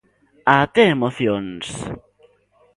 A ter emocións.